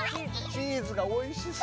チーズがおいしそう！